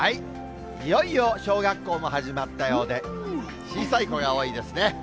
いよいよ小学校も始まったようで、小さい子が多いですね。